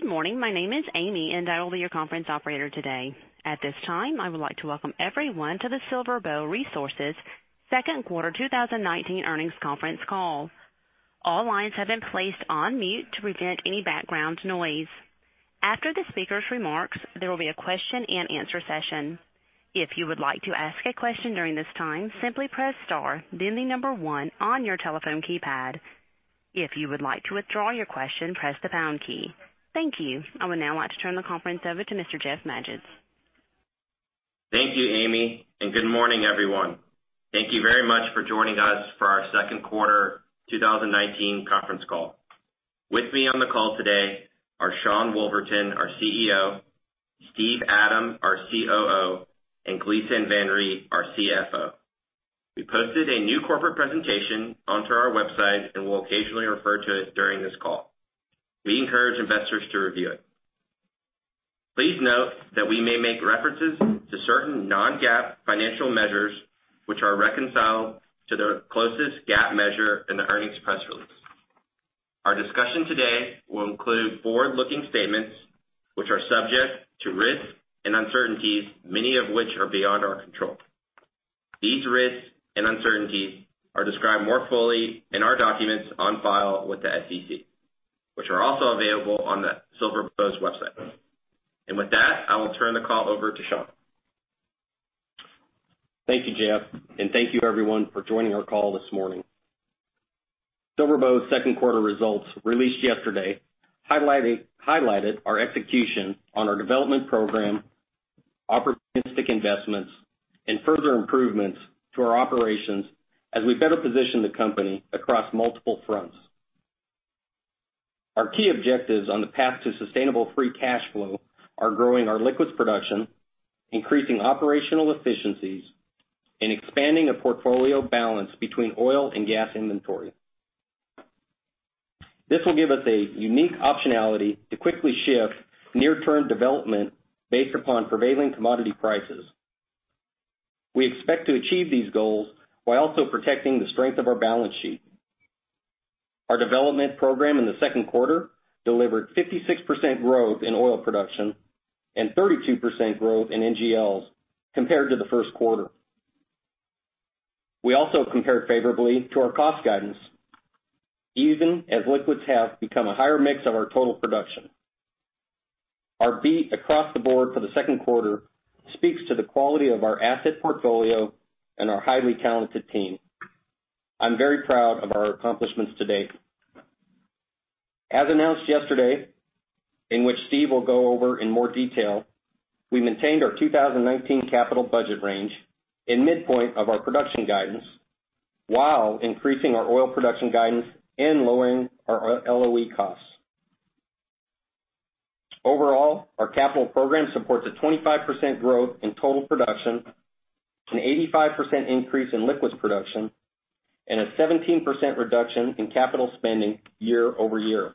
Good morning. My name is Amy, and I will be your Conference Operator today. At this time, I would like to welcome everyone to the SilverBow Resources second quarter 2019 earnings conference call. All lines have been placed on mute to prevent any background noise. After the speaker's remarks, there will be a question and answer session. If you would like to ask a question during this time, simply press star, then the number one on your telephone keypad. If you would like to withdraw your question, press the pound key. Thank you. I would now like to turn the conference over to Mr. Jeff Magids. Thank you, Amy, and good morning, everyone. Thank you very much for joining us for our second quarter 2019 conference call. With me on the call today are Sean Woolverton, our CEO, Steve Adam, our COO, and Gleeson Van Riet, our CFO. We posted a new corporate presentation onto our website, and we'll occasionally refer to it during this call. We encourage investors to review it. Please note that we may make references to certain non-GAAP financial measures, which are reconciled to their closest GAAP measure in the earnings press release. Our discussion today will include forward-looking statements, which are subject to risks and uncertainties, many of which are beyond our control. These risks and uncertainties are described more fully in our documents on file with the SEC, which are also available on the SilverBow's website. With that, I will turn the call over to Sean. Thank you, Jeff, and thank you, everyone, for joining our call this morning. SilverBow's second quarter results released yesterday highlighted our execution on our development program, opportunistic investments, and further improvements to our operations as we better position the company across multiple fronts. Our key objectives on the path to sustainable free cash flow are growing our liquids production, increasing operational efficiencies, and expanding a portfolio balance between oil and gas inventory. This will give us a unique optionality to quickly shift near-term development based upon prevailing commodity prices. We expect to achieve these goals while also protecting the strength of our balance sheet. Our development program in the second quarter delivered 56% growth in oil production and 32% growth in NGLs compared to the first quarter. We also compared favorably to our cost guidance, even as liquids have become a higher mix of our total production. Our beat across the board for the second quarter speaks to the quality of our asset portfolio and our highly talented team. I'm very proud of our accomplishments to date. As announced yesterday, in which Steve will go over in more detail, we maintained our 2019 capital budget range in midpoint of our production guidance while increasing our oil production guidance and lowering our LOE costs. Overall, our capital program supports a 25% growth in total production, an 85% increase in liquids production, and a 17% reduction in capital spending year-over-year.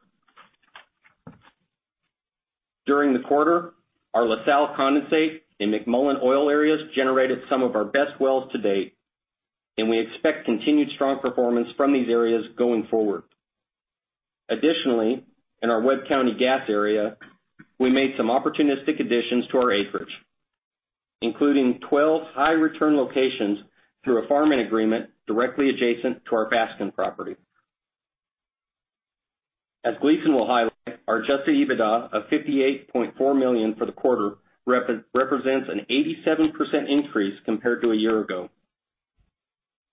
During the quarter, our La Salle Condensate in McMullen oil areas generated some of our best wells to date, and we expect continued strong performance from these areas going forward. Additionally, in our Webb County gas area, we made some opportunistic additions to our acreage, including 12 high-return locations through a farming agreement directly adjacent to our Baskin property. As Gleeson will highlight, our adjusted EBITDA of $58.4 million for the quarter represents an 87% increase compared to a year ago.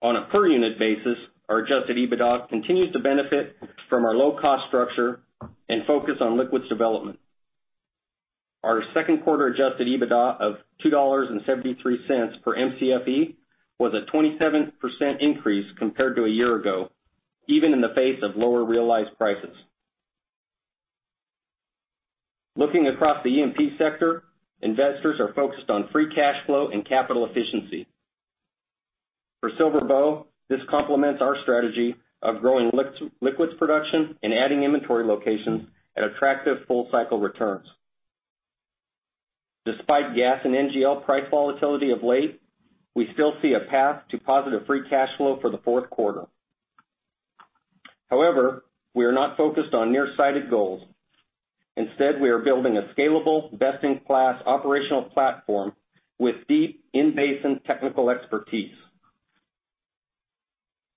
On a per-unit basis, our adjusted EBITDA continues to benefit from our low-cost structure and focus on liquids development. Our second quarter adjusted EBITDA of $2.73 per MCFE was a 27% increase compared to a year ago, even in the face of lower realized prices. Looking across the E&P sector, investors are focused on free cash flow and capital efficiency. For SilverBow, this complements our strategy of growing liquids production and adding inventory locations at attractive full-cycle returns. Despite gas and NGL price volatility of late, we still see a path to positive free cash flow for the fourth quarter. However, we are not focused on near-sighted goals. Instead, we are building a scalable, best-in-class operational platform with deep in-basin technical expertise.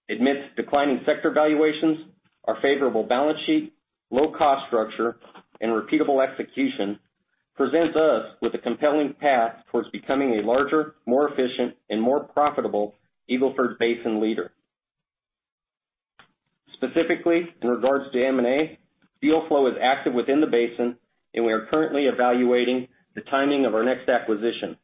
Amidst declining sector valuations, our favorable balance sheet, low cost structure, and repeatable execution presents us with a compelling path towards becoming a larger, more efficient, and more profitable Eagle Ford Basin leader. Specifically, in regards to M&A, deal flow is active within the basin, and we are currently evaluating the timing of our next acquisition.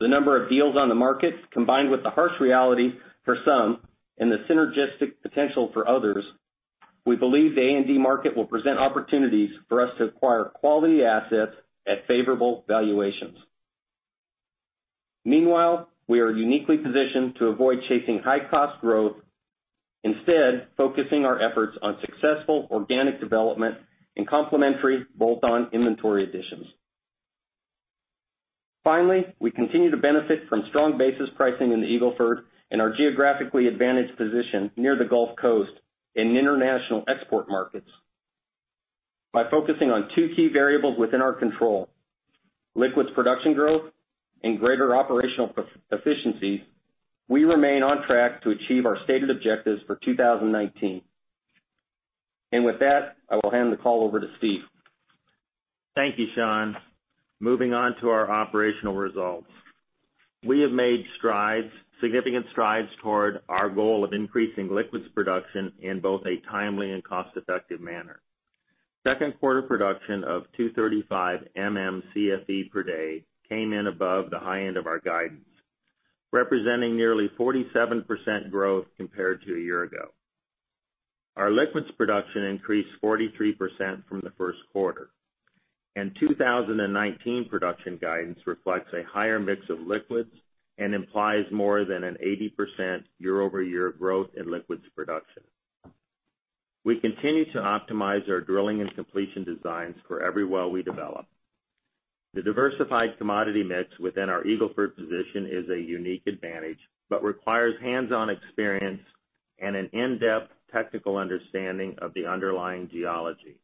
The number of deals on the market, combined with the harsh reality for some and the synergistic potential for others, we believe the A&D market will present opportunities for us to acquire quality assets at favorable valuations. Meanwhile, we are uniquely positioned to avoid chasing high-cost growth, instead focusing our efforts on successful organic development and complementary bolt-on inventory additions. Finally, we continue to benefit from strong basis pricing in the Eagle Ford and our geographically advantaged position near the Gulf Coast and international export markets. By focusing on two key variables within our control, liquids production growth and greater operational efficiencies, we remain on track to achieve our stated objectives for 2019. With that, I will hand the call over to Steve. Thank you, Sean. Moving on to our operational results. We have made significant strides toward our goal of increasing liquids production in both a timely and cost-effective manner. Second quarter production of 235 MMcfe per day came in above the high end of our guidance, representing nearly 47% growth compared to a year ago. Our liquids production increased 43% from the first quarter, and 2019 production guidance reflects a higher mix of liquids and implies more than an 80% year-over-year growth in liquids production. We continue to optimize our drilling and completion designs for every well we develop. The diversified commodity mix within our Eagle Ford position is a unique advantage, but requires hands-on experience and an in-depth technical understanding of the underlying geology.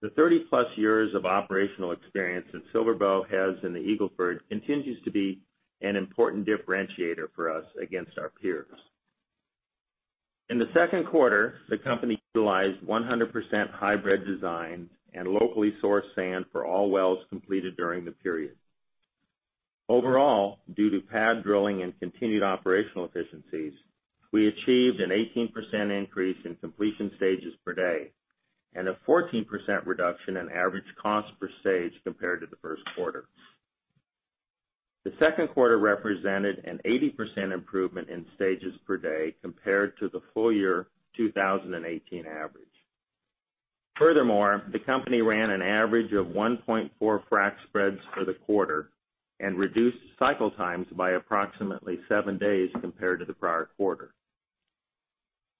The 30-plus years of operational experience that SilverBow has in the Eagle Ford continues to be an important differentiator for us against our peers. In the second quarter, the company utilized 100% hybrid design and locally sourced sand for all wells completed during the period. Overall, due to pad drilling and continued operational efficiencies, we achieved an 18% increase in completion stages per day and a 14% reduction in average cost per stage compared to the first quarter. The second quarter represented an 80% improvement in stages per day compared to the full year 2018 average. Furthermore, the company ran an average of 1.4 frac spreads for the quarter and reduced cycle times by approximately seven days compared to the prior quarter.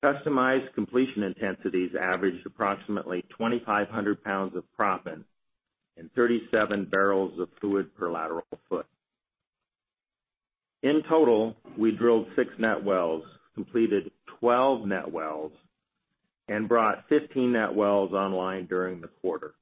Customized completion intensities averaged approximately 2,500 pounds of proppant and 37 barrels of fluid per lateral foot. In total, we drilled six net wells, completed 12 net wells, and brought 15 net wells online during the quarter.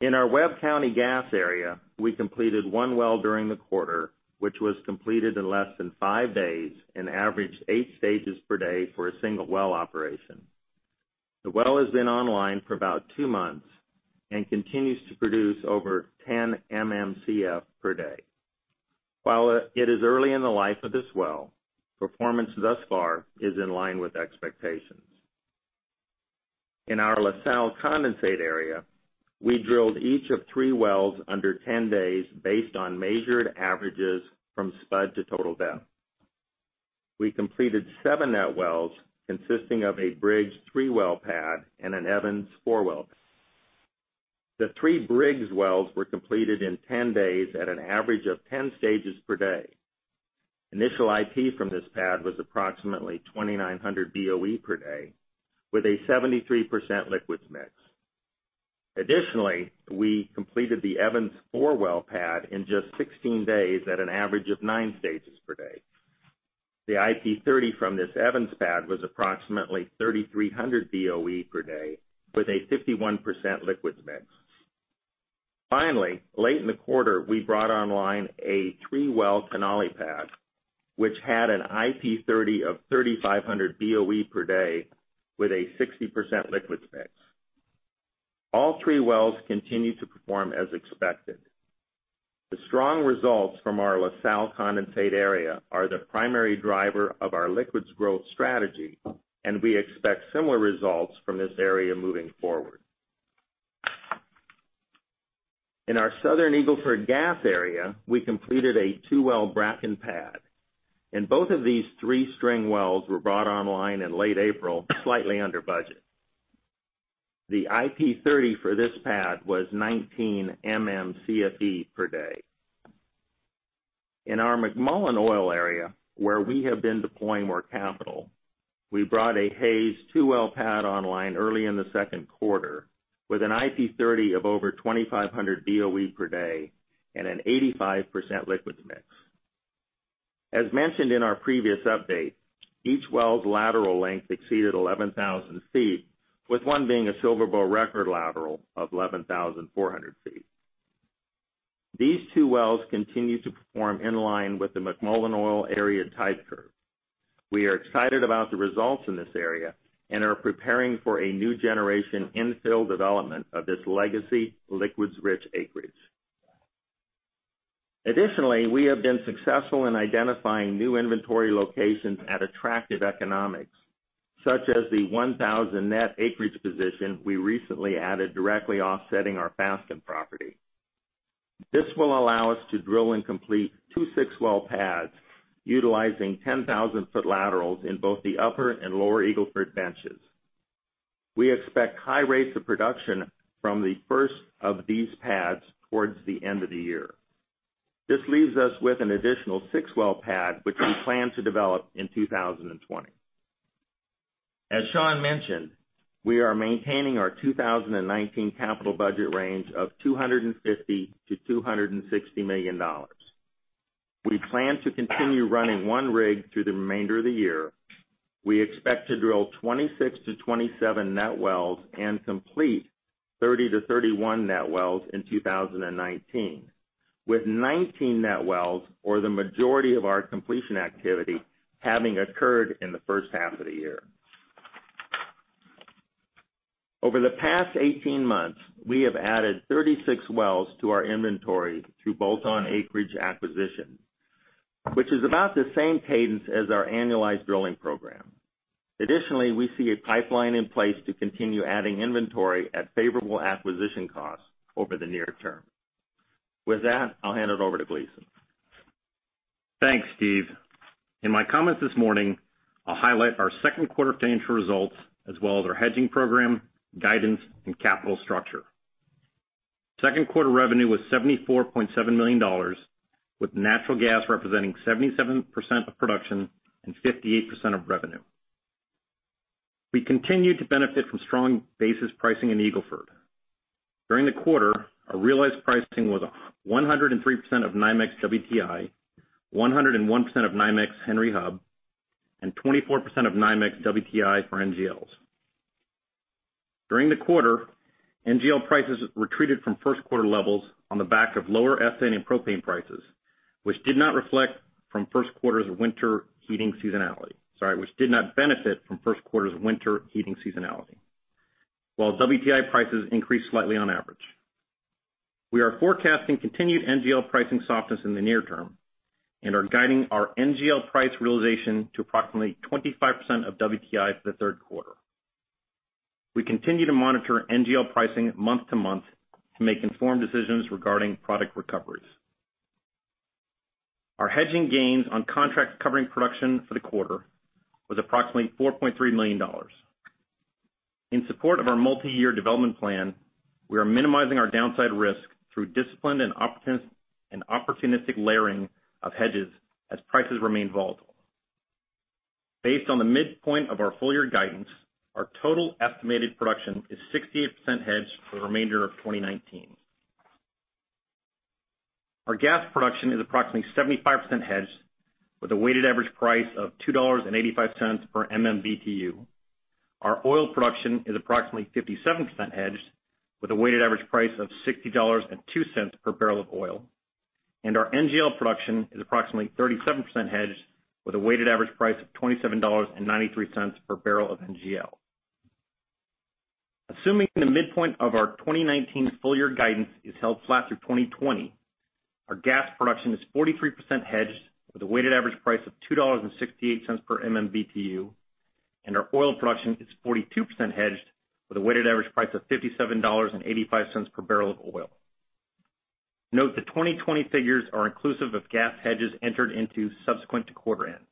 In our Webb County gas area, we completed one well during the quarter, which was completed in less than five days and averaged eight stages per day for a single-well operation. The well has been online for about two months and continues to produce over 10 MMcf per day. While it is early in the life of this well, performance thus far is in line with expectations. In our La Salle Condensate area, we drilled each of three wells under 10 days based on measured averages from spud to total depth. We completed seven net wells consisting of a Briggs three-well pad and an Evans four-well. The three Briggs wells were completed in 10 days at an average of 10 stages per day. Initial IP from this pad was approximately 2,900 BOE per day with a 73% liquids mix. Additionally, we completed the Evans four-well pad in just 16 days at an average of 9 stages per day. The IP 30 from this Evans pad was approximately 3,300 BOE per day with a 51% liquids mix. Late in the quarter, we brought online a three-well Denali pad, which had an IP 30 of 3,500 BOE per day with a 60% liquids mix. All three wells continue to perform as expected. The strong results from our La Salle Condensate area are the primary driver of our liquids growth strategy. We expect similar results from this area moving forward. In our Southern Eagle Ford gas area, we completed a two-well Bracken pad. Both of these three-string wells were brought online in late April, slightly under budget. The IP 30 for this pad was 19 MMcfe per day. In our McMullen oil area, where we have been deploying more capital, we brought a Hayes two-well pad online early in the second quarter with an IP 30 of over 2,500 BOE per day and an 85% liquids mix. As mentioned in our previous update, each well's lateral length exceeded 11,000 feet, with one being a SilverBow record lateral of 11,400 feet. These two wells continue to perform in line with the McMullen oil area type curve. We are excited about the results in this area and are preparing for a new generation infill development of this legacy liquids-rich acreage. Additionally, we have been successful in identifying new inventory locations at attractive economics, such as the 1,000 net acreage position we recently added directly offsetting our Fasken property. This will allow us to drill and complete two six-well pads utilizing 10,000-foot laterals in both the upper and lower Eagle Ford benches. We expect high rates of production from the first of these pads towards the end of the year. This leaves us with an additional six-well pad, which we plan to develop in 2020. As Sean mentioned, we are maintaining our 2019 capital budget range of $250 million-$260 million. We plan to continue running one rig through the remainder of the year. We expect to drill 26-27 net wells and complete 30-31 net wells in 2019, with 19 net wells, or the majority of our completion activity, having occurred in the first half of the year. Over the past 18 months, we have added 36 wells to our inventory through bolt-on acreage acquisition, which is about the same cadence as our annualized drilling program. Additionally, we see a pipeline in place to continue adding inventory at favorable acquisition costs over the near term. With that, I'll hand it over to Gleeson. Thanks, Steve. In my comments this morning, I'll highlight our second quarter financial results as well as our hedging program, guidance, and capital structure. Second quarter revenue was $74.7 million, with natural gas representing 77% of production and 58% of revenue. We continued to benefit from strong basis pricing in Eagle Ford. During the quarter, our realized pricing was 103% of NYMEX WTI, 101% of NYMEX Henry Hub, and 24% of NYMEX WTI for NGLs. During the quarter, NGL prices retreated from first quarter levels on the back of lower ethane and propane prices, which did not benefit from first quarter's winter heating seasonality, while WTI prices increased slightly on average. We are forecasting continued NGL pricing softness in the near term and are guiding our NGL price realization to approximately 25% of WTI for the third quarter. We continue to monitor NGL pricing month to month to make informed decisions regarding product recoveries. Our hedging gains on contract covering production for the quarter was approximately $4.3 million. In support of our multi-year development plan, we are minimizing our downside risk through disciplined and opportunistic layering of hedges as prices remain volatile. Based on the midpoint of our full-year guidance, our total estimated production is 68% hedged for the remainder of 2019. Our gas production is approximately 75% hedged with a weighted average price of $2.85 per MMBtu. Our oil production is approximately 57% hedged with a weighted average price of $60.02 per barrel of oil, and our NGL production is approximately 37% hedged with a weighted average price of $27.93 per barrel of NGL. Assuming the midpoint of our 2019 full-year guidance is held flat through 2020, our gas production is 43% hedged with a weighted average price of $2.68 per MMBtu, and our oil production is 42% hedged with a weighted average price of $57.85 per barrel of oil. Note that 2020 figures are inclusive of gas hedges entered into subsequent to quarter ends.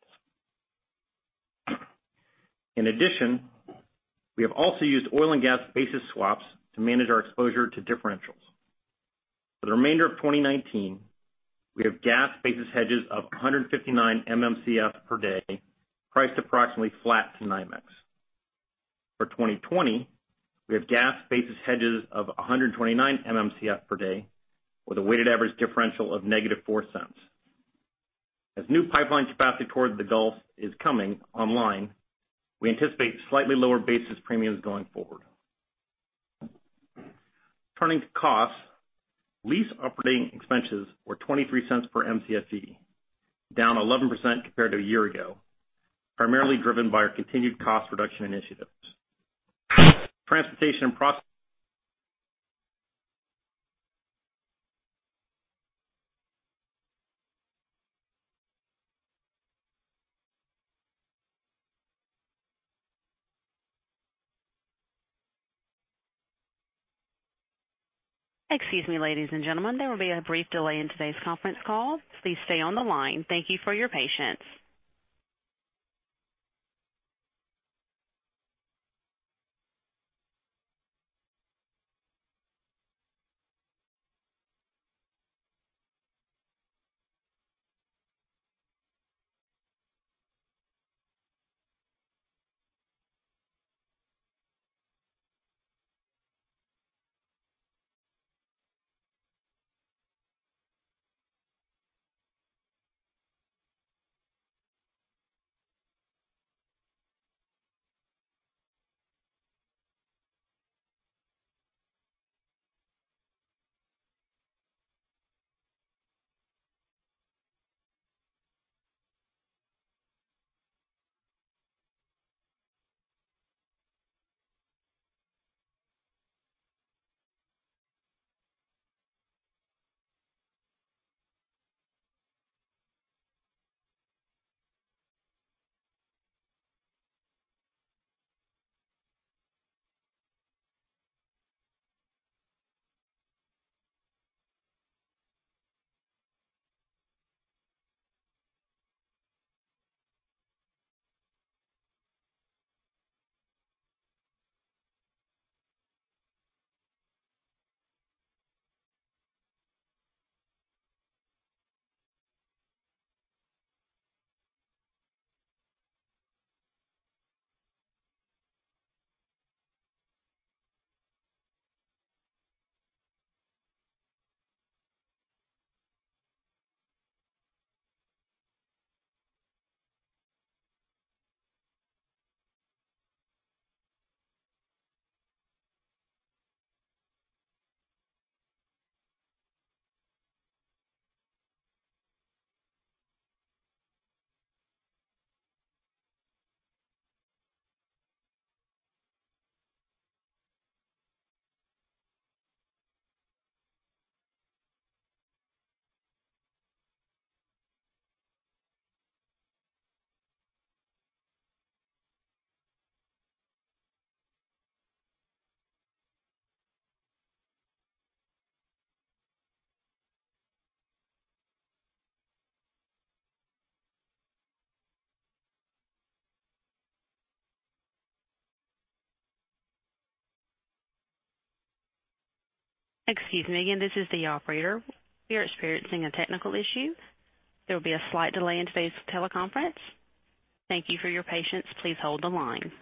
In addition, we have also used oil and gas basis swaps to manage our exposure to differentials. For the remainder of 2019, we have gas basis hedges of 159 MMcf per day, priced approximately flat to NYMEX. For 2020, we have gas basis hedges of 129 MMcf per day with a weighted average differential of negative $0.04. As new pipeline capacity toward the Gulf is coming online, we anticipate slightly lower basis premiums going forward. Turning to costs, lease operating expenses were $0.23 per Mcfe, down 11% compared to a year ago, primarily driven by our continued cost reduction initiatives. Transportation and pro-. Excuse me, ladies and gentlemen. There will be a brief delay in today's conference call. Please stay on the line. Thank you for your patience. Excuse me again, this is the operator. We are experiencing a technical issue. There will be a slight delay in today's teleconference. Thank you for your patience. Please hold the line.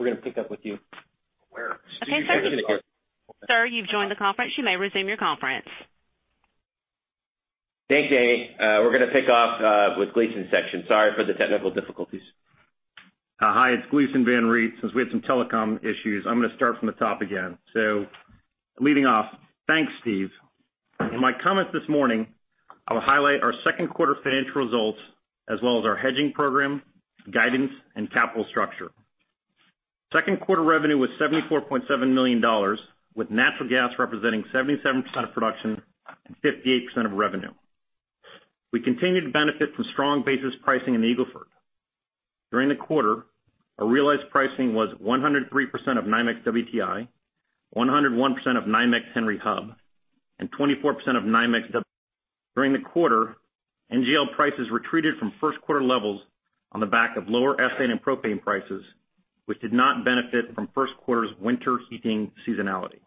We're going to pick up with you. Where? Okay, sir. Sir, you've joined the conference, you may resume your conference. Thanks, Amy. We're going to pick up with Gleeson section. Sorry for the technical difficulties. Hi, it's Gleeson Van Riet. Since we had some telecom issues, I'm going to start from the top again. Leading off, thanks, Steve. In my comments this morning, I will highlight our second quarter financial results as well as our hedging program, guidance, and capital structure. Second quarter revenue was $74.7 million, with natural gas representing 77% of production and 58% of revenue. We continued to benefit from strong basis pricing in the Eagle Ford. During the quarter, our realized pricing was 103% of NYMEX WTI, 101% of NYMEX Henry Hub, and 24% of NYMEX. During the quarter, NGL prices retreated from first quarter levels on the back of lower ethane and propane prices, which did not benefit from first quarter's winter heating seasonality.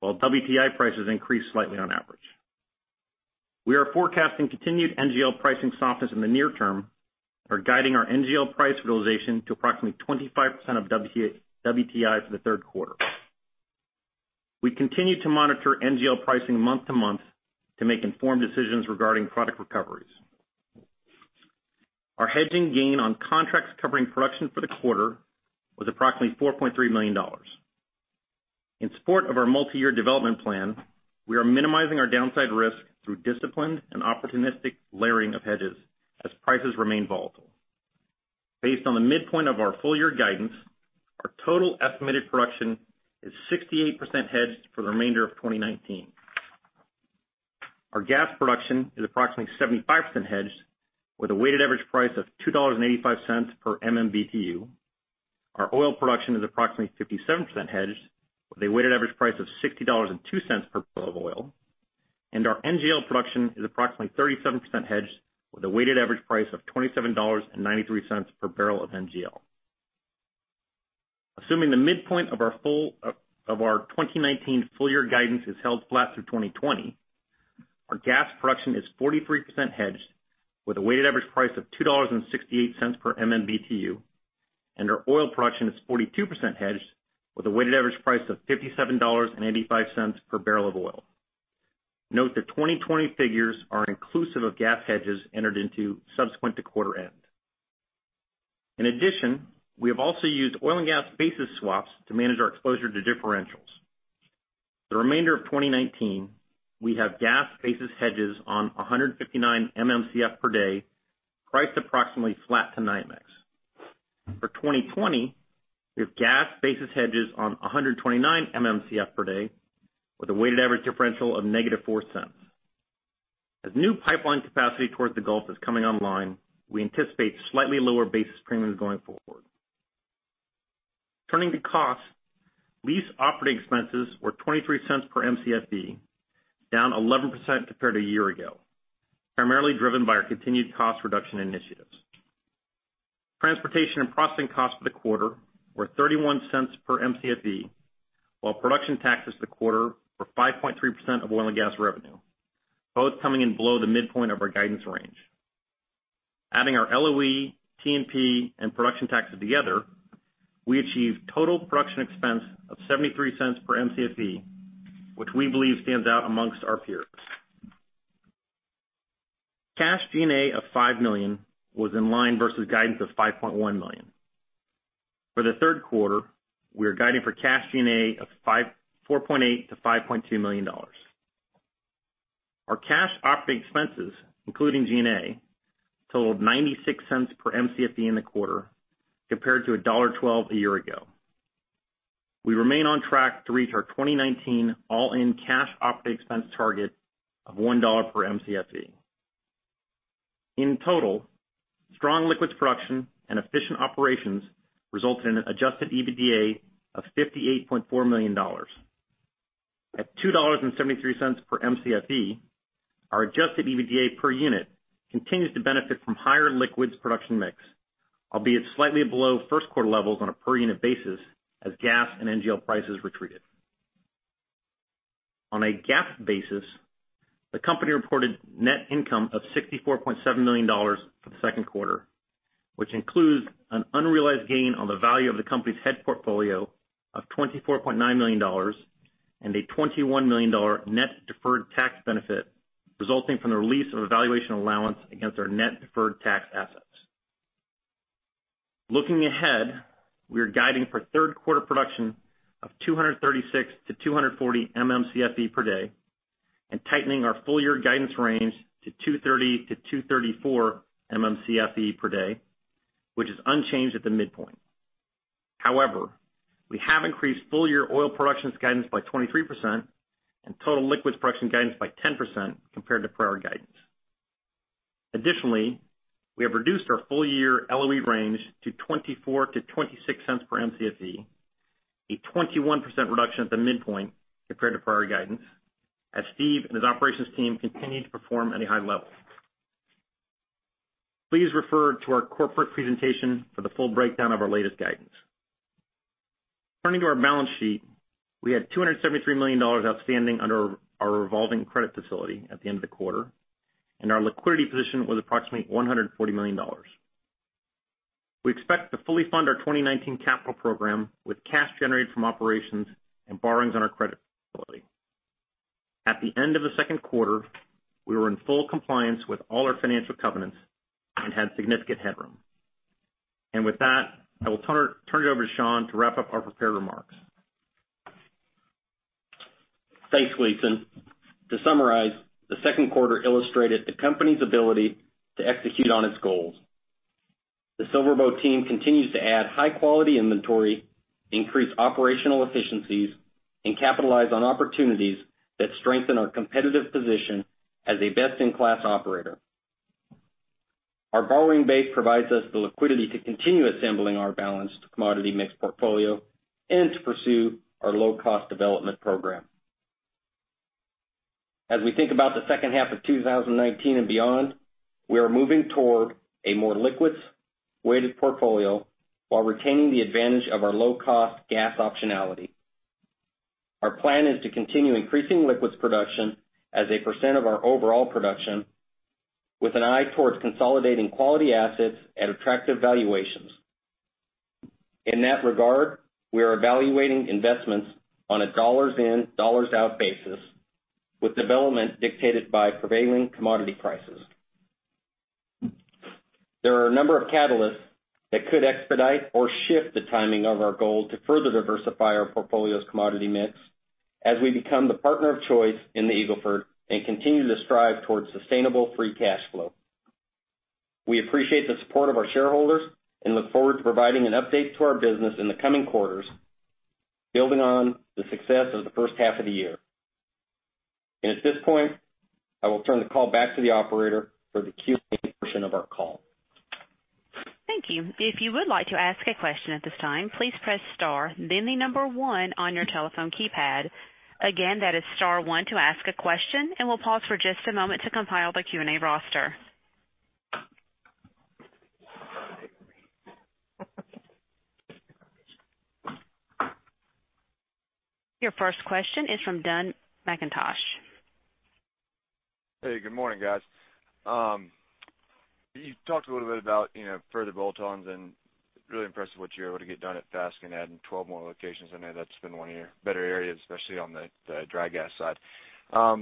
While WTI prices increased slightly on average. We are forecasting continued NGL pricing softness in the near term and are guiding our NGL price realization to approximately 25% of WTI for the third quarter. We continue to monitor NGL pricing month-to-month to make informed decisions regarding product recoveries. Our hedging gain on contracts covering production for the quarter was approximately $4.3 million. In support of our multi-year development plan, we are minimizing our downside risk through disciplined and opportunistic layering of hedges as prices remain volatile. Based on the midpoint of our full year guidance, our total estimated production is 68% hedged for the remainder of 2019. Our gas production is approximately 75% hedged with a weighted average price of $2.85 per MMBtu. Our oil production is approximately 57% hedged with a weighted average price of $60.02 per barrel of oil, and our NGL production is approximately 37% hedged with a weighted average price of $27.93 per barrel of NGL. Assuming the midpoint of our 2019 full year guidance is held flat through 2020, our gas production is 43% hedged with a weighted average price of $2.68 per MMBtu, and our oil production is 42% hedged with a weighted average price of $57.85 per barrel of oil. Note that 2020 figures are inclusive of gas hedges entered into subsequent to quarter end. In addition, we have also used oil and gas basis swaps to manage our exposure to differentials. The remainder of 2019, we have gas basis hedges on 159 MMcf per day, priced approximately flat to NYMEX. For 2020, we have gas basis hedges on 129 MMcf per day with a weighted average differential of negative $0.04. As new pipeline capacity towards the Gulf is coming online, we anticipate slightly lower basis premiums going forward. Turning to costs, lease operating expenses were $0.23 per MCFE, down 11% compared to a year ago, primarily driven by our continued cost reduction initiatives. Transportation and processing costs for the quarter were $0.31 per MCFE, while production taxes for the quarter were 5.3% of oil and gas revenue, both coming in below the midpoint of our guidance range. Adding our LOE, T&P, and production taxes together, we achieved total production expense of $0.73 per MCFE, which we believe stands out amongst our peers. Cash G&A of $5 million was in line versus guidance of $5.1 million. For the third quarter, we are guiding for cash G&A of $4.8 million-$5.2 million. Our cash operating expenses, including G&A, totaled $0.96 per Mcfe in the quarter, compared to $1.12 a year ago. We remain on track to reach our 2019 all-in cash operating expense target of $1 per Mcfe. In total, strong liquids production and efficient operations resulted in an adjusted EBITDA of $58.4 million. At $2.73 per Mcfe, our adjusted EBITDA per unit continues to benefit from higher liquids production mix, albeit slightly below first quarter levels on a per unit basis as gas and NGL prices retreated. On a GAAP basis, the company reported net income of $64.7 million for the second quarter, which includes an unrealized gain on the value of the company's hedge portfolio of $24.9 million and a $21 million net deferred tax benefit resulting from the release of a valuation allowance against our net deferred tax assets. Looking ahead, we are guiding for third quarter production of 236-240 MMcfe per day and tightening our full year guidance range to 230-234 MMcfe per day, which is unchanged at the midpoint. We have increased full year oil productions guidance by 23% and total liquids production guidance by 10% compared to prior guidance. We have reduced our full year LOE range to $0.24-$0.26 per Mcfe, a 21% reduction at the midpoint compared to prior guidance, as Steve and his operations team continue to perform at a high level. Please refer to our corporate presentation for the full breakdown of our latest guidance. Turning to our balance sheet, we had $273 million outstanding under our revolving credit facility at the end of the quarter, and our liquidity position was approximately $140 million. We expect to fully fund our 2019 capital program with cash generated from operations and borrowings on our credit facility. At the end of the second quarter, we were in full compliance with all our financial covenants and had significant headroom. With that, I will turn it over to Sean to wrap up our prepared remarks. Thanks, Gleeson. To summarize, the second quarter illustrated the company's ability to execute on its goals. The SilverBow team continues to add high-quality inventory, increase operational efficiencies, and capitalize on opportunities that strengthen our competitive position as a best-in-class operator. Our borrowing base provides us the liquidity to continue assembling our balanced commodity mixed portfolio and to pursue our low-cost development program. As we think about the second half of 2019 and beyond, we are moving toward a more liquids-weighted portfolio while retaining the advantage of our low-cost gas optionality. Our plan is to continue increasing liquids production as a % of our overall production, with an eye towards consolidating quality assets at attractive valuations. In that regard, we are evaluating investments on a dollars in, dollars out basis, with development dictated by prevailing commodity prices. There are a number of catalysts that could expedite or shift the timing of our goal to further diversify our portfolio's commodity mix as we become the partner of choice in the Eagle Ford and continue to strive towards sustainable free cash flow. We appreciate the support of our shareholders and look forward to providing an update to our business in the coming quarters, building on the success of the first half of the year. At this point, I will turn the call back to the operator for the Q&A portion of our call. Thank you. If you would like to ask a question at this time, please press star then the number one on your telephone keypad. Again, that is star one to ask a question. We'll pause for just a moment to compile the Q&A roster. Your first question is from Derrick Whitfield. Hey, good morning, guys. You talked a little bit about further bolt-ons and really impressed what you were able to get done at Baskin, adding 12 more locations in there. That's been one year. Better areas, especially on the dry gas side. I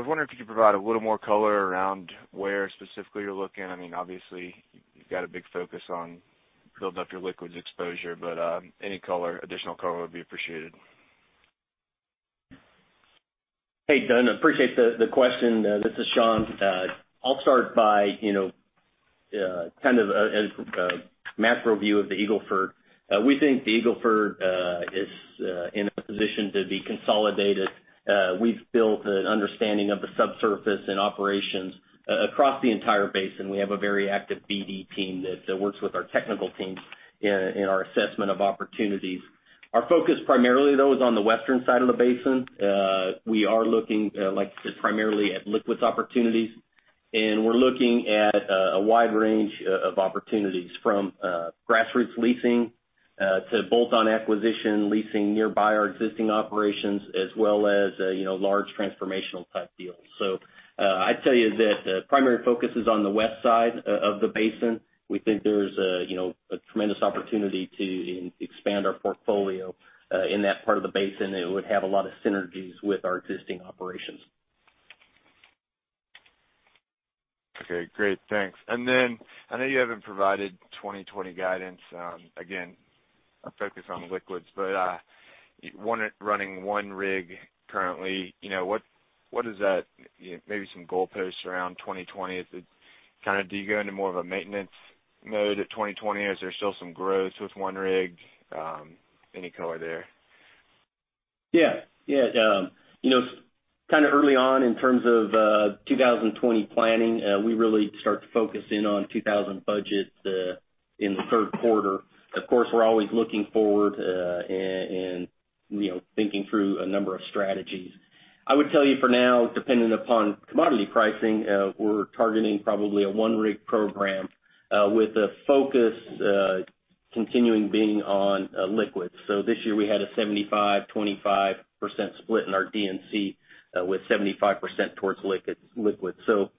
was wondering if you could provide a little more color around where specifically you're looking. I mean, obviously you've got a big focus on building up your liquids exposure, but any additional color would be appreciated. Hey, Derrick. Appreciate the question. This is Sean. As a macro view of the Eagle Ford, we think the Eagle Ford is in a position to be consolidated. We've built an understanding of the subsurface and operations across the entire basin. We have a very active BD team that works with our technical teams in our assessment of opportunities. Our focus primarily, though, is on the western side of the basin. We are looking, like I said, primarily at liquids opportunities, and we're looking at a wide range of opportunities from grassroots leasing to bolt-on acquisition leasing nearby our existing operations, as well as large transformational type deals. I'd tell you that the primary focus is on the west side of the basin. We think there's a tremendous opportunity to expand our portfolio in that part of the basin. It would have a lot of synergies with our existing operations. Okay, great. Thanks. Then I know you haven't provided 2020 guidance. Again, a focus on liquids, but running one rig currently, what is that, maybe some goalposts around 2020? Do you go into more of a maintenance mode at 2020, or is there still some growth with one rig? Any color there? Yeah. It's early on in terms of 2020 planning. We really start to focus in on 2000 budgets in the third quarter. Of course, we're always looking forward and thinking through a number of strategies. I would tell you for now, dependent upon commodity pricing, we're targeting probably a one rig program with a focus continuing being on liquids. This year we had a 75%/25% split in our D&C, with 75% towards liquids.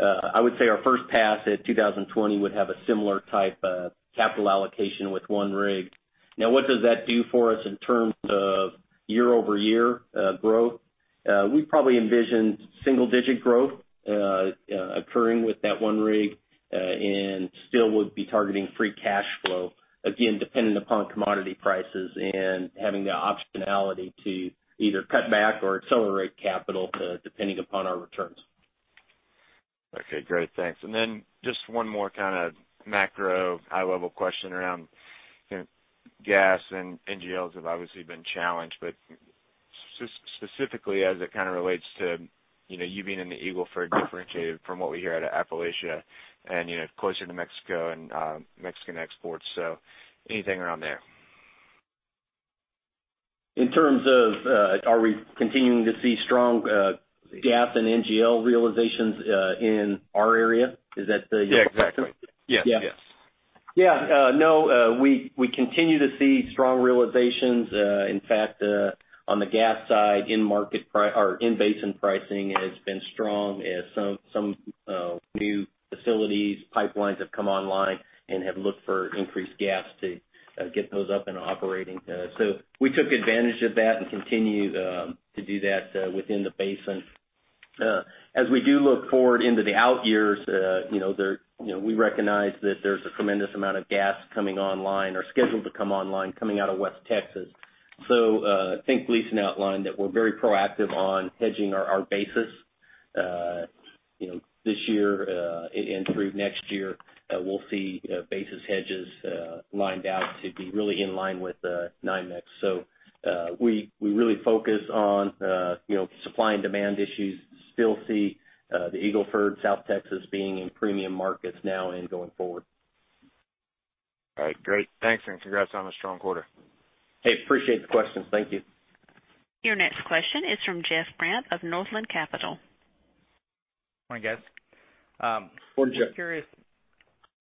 I would say our first pass at 2020 would have a similar type of capital allocation with one rig. What does that do for us in terms of year-over-year growth? We probably envisioned single-digit growth occurring with that one rig, and still would be targeting free cash flow, again, dependent upon commodity prices and having the optionality to either cut back or accelerate capital, depending upon our returns. Okay, great. Thanks. Just one more macro high level question around gas and NGLs have obviously been challenged, but specifically as it relates to you being in the Eagle Ford differentiated from what we hear out of Appalachia and closer to Mexico and Mexican exports. Anything around there? In terms of, are we continuing to see strong gas and NGL realizations in our area? Yeah, exactly. Yes. Yeah. No, we continue to see strong realizations. On the gas side, in basin pricing has been strong as some new facilities, pipelines have come online and have looked for increased gas to get those up and operating. We took advantage of that and continue to do that within the basin. As we do look forward into the out years, we recognize that there's a tremendous amount of gas coming online or scheduled to come online, coming out of West Texas. I think Lisa outlined that we're very proactive on hedging our basis. This year, and through next year, we'll see basis hedges lined out to be really in line with NYMEX. We really focus on supply and demand issues. Still see the Eagle Ford, South Texas being in premium markets now and going forward. All right. Great. Thanks, and congrats on a strong quarter. Hey, appreciate the questions. Thank you. Your next question is from Jeff Brand of Northland Capital. Morning, guys. Morning, Jeff. Just curious,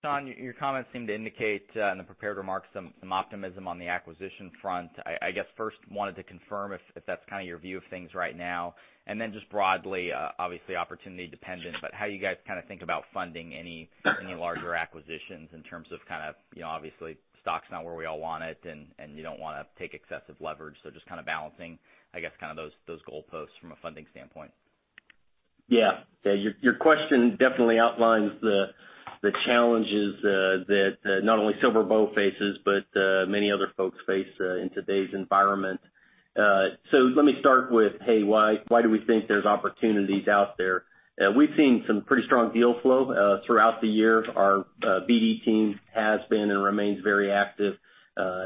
Sean, your comments seem to indicate in the prepared remarks some optimism on the acquisition front. I guess first wanted to confirm if that's your view of things right now, and then just broadly, obviously opportunity dependent, but how you guys think about funding any larger acquisitions in terms of, obviously stock's not where we all want it, and you don't want to take excessive leverage. Just balancing, I guess, those goalposts from a funding standpoint. Yeah. Your question definitely outlines the challenges that not only SilverBow faces, but many other folks face in today's environment. Let me start with why do we think there's opportunities out there? We've seen some pretty strong deal flow throughout the year. Our BD team has been and remains very active.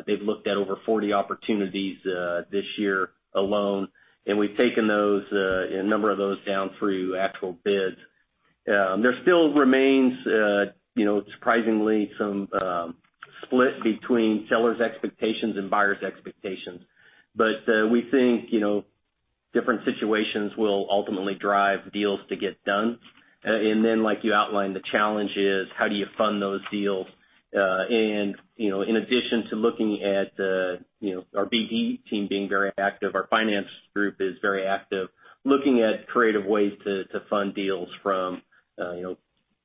They've looked at over 40 opportunities this year alone, and we've taken a number of those down through actual bids. There still remains surprisingly some split between sellers' expectations and buyers' expectations. We think different situations will ultimately drive deals to get done. Then, like you outlined, the challenge is how do you fund those deals? In addition to looking at our BD team being very active, our finance group is very active looking at creative ways to fund deals from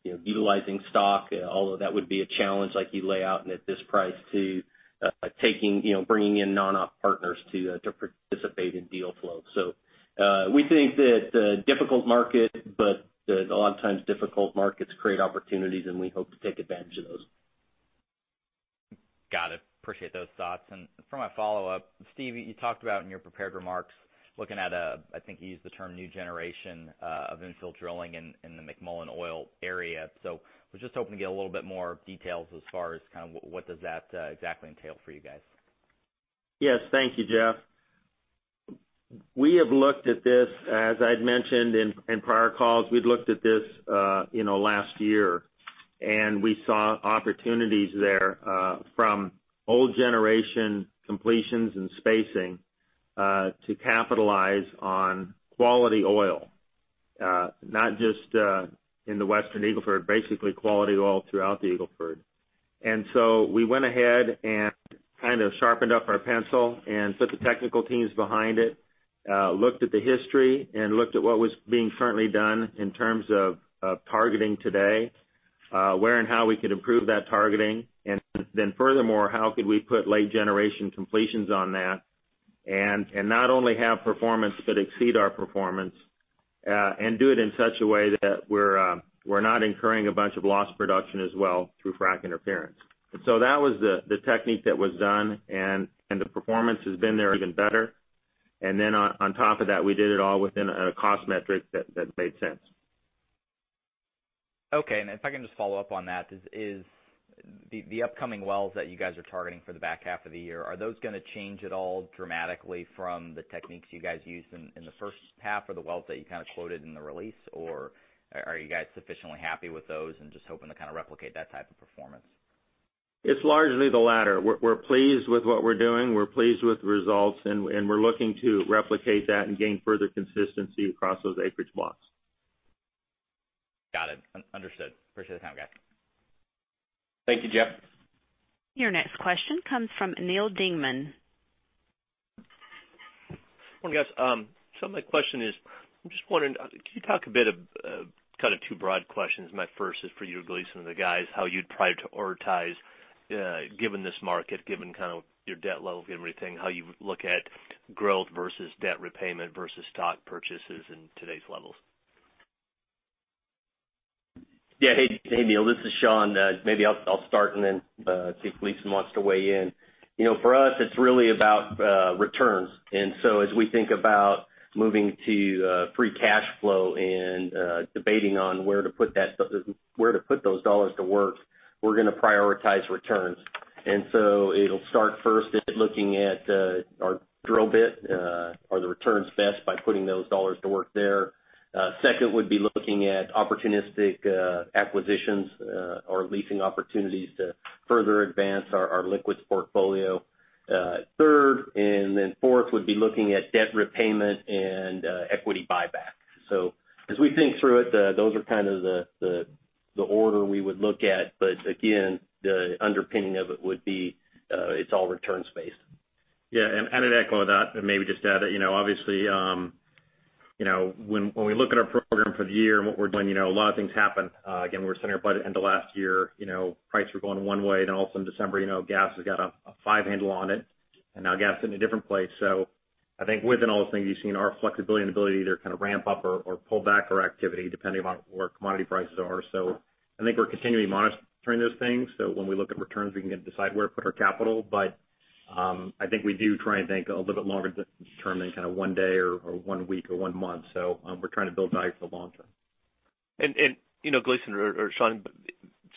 utilizing stock, although that would be a challenge like you lay out and at this price, to bringing in non-op partners to participate in deal flow. We think that difficult market, but a lot of times difficult markets create opportunities and we hope to take advantage of those. Got it. Appreciate those thoughts. For my follow-up, Steve, you talked about in your prepared remarks, looking at, I think you used the term new generation of infill drilling in the McMullen Oil area. Was just hoping to get a little bit more details as far as what does that exactly entail for you guys? Yes. Thank you, Jeff. We have looked at this, as I'd mentioned in prior calls, we'd looked at this last year, and we saw opportunities there from old generation completions and spacing to capitalize on quality oil, not just in the Western Eagle Ford, basically quality oil throughout the Eagle Ford. We went ahead and sharpened up our pencil and put the technical teams behind it, looked at the history, and looked at what was being currently done in terms of targeting today, where and how we could improve that targeting. Furthermore, how could we put late-generation completions on that and not only have performance but exceed our performance, and do it in such a way that we're not incurring a bunch of lost production as well through frac interference. That was the technique that was done, and the performance has been there, even better. On top of that, we did it all within a cost metric that made sense. Okay. If I can just follow up on that. The upcoming wells that you guys are targeting for the back half of the year, are those going to change at all dramatically from the techniques you guys used in the first half or the wells that you quoted in the release, or are you guys sufficiently happy with those and just hoping to replicate that type of performance? It's largely the latter. We're pleased with what we're doing, we're pleased with the results, and we're looking to replicate that and gain further consistency across those acreage blocks. Got it. Understood. Appreciate the time, guys. Thank you, Jeff. Your next question comes from Neal Dingmann. Morning, guys. My question is, I'm just wondering, can you talk a bit kind of two broad questions. My first is for you, Gleeson and the guys, how you'd prioritize, given this market, given your debt level and everything, how you look at growth versus debt repayment versus stock purchases in today's levels. Yeah. Hey, Neal. This is Sean. Maybe I'll start and then see if Gleeson wants to weigh in. For us, it's really about returns. As we think about moving to free cash flow and debating on where to put those dollars to work, we're going to prioritize returns. It'll start first at looking at our drill bit. Are the returns best by putting those dollars to work there? Second would be looking at opportunistic acquisitions or leasing opportunities to further advance our liquids portfolio. Third and then fourth would be looking at debt repayment and equity buybacks. As we think through it, those are the order we would look at. Again, the underpinning of it would be, it's all returns-based. Yeah. I'd echo that and maybe just add that, obviously, when we look at our program for the year and what we're doing, a lot of things happen. Again, we were setting our budget end of last year, prices were going one way, then all of a sudden December, gas has got a five handle on it, and now gas is in a different place. I think within all those things, you've seen our flexibility and ability to kind of ramp up or pull back our activity depending upon where commodity prices are. I think we're continually monitoring those things. When we look at returns, we can decide where to put our capital. I think we do try and think a little bit longer than determined kind of one day or one week or one month. We're trying to build value for the long term. Gleeson or Sean,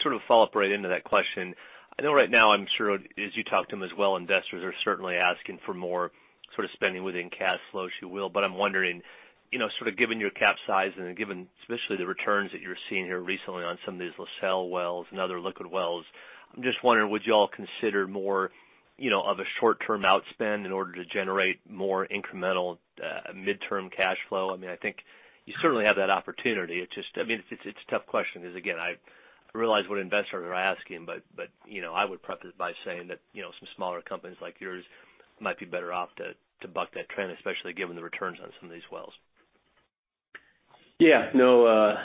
sort of follow up right into that question. I know right now, I'm sure as you talk to them as well, investors are certainly asking for more sort of spending within cash flow, if you will. I'm wondering, sort of given your cap size and given especially the returns that you're seeing here recently on some of these La Salle wells and other liquid wells, I'm just wondering, would you all consider more of a short-term outspend in order to generate more incremental midterm cash flow? I think you certainly have that opportunity. It's a tough question, because, again, I realize what investors are asking, I would preface by saying that some smaller companies like yours might be better off to buck that trend, especially given the returns on some of these wells. Yeah. No,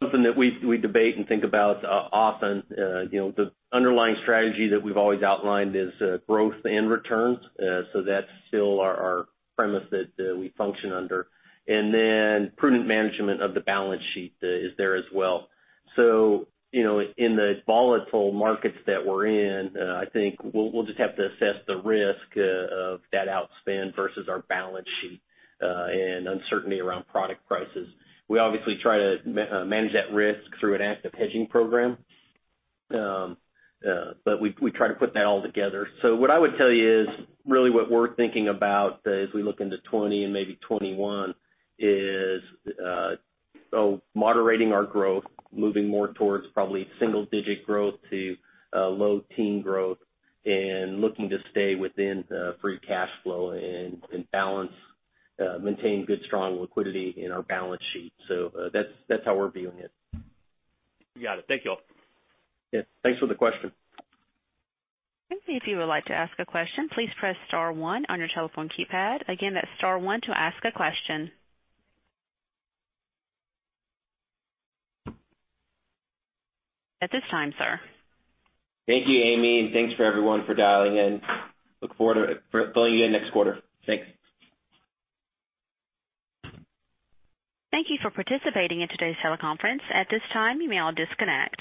something that we debate and think about often. The underlying strategy that we've always outlined is growth and returns. That's still our premise that we function under. Prudent management of the balance sheet is there as well. In the volatile markets that we're in, I think we'll just have to assess the risk of that outspend versus our balance sheet, and uncertainty around product prices. We obviously try to manage that risk through an active hedging program. We try to put that all together. What I would tell you is, really what we're thinking about as we look into 2020 and maybe 2021 is moderating our growth, moving more towards probably single-digit growth to low teen growth and looking to stay within free cash flow and balance, maintain good, strong liquidity in our balance sheet. That's how we're viewing it. Got it. Thank you all. Yeah. Thanks for the question. If you would like to ask a question, please press star one on your telephone keypad. Again, that's star one to ask a question. At this time, sir. Thank you, Amy, and thanks for everyone for dialing in. Look forward to pulling you in next quarter. Thanks. Thank you for participating in today's teleconference. At this time, you may all disconnect.